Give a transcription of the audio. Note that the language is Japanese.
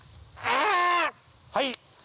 はい！